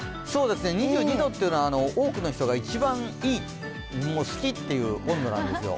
２２度というのは多くの人が一番いい、好きという温度なんですよ。